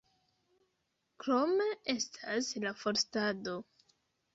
Krome estas la forstado.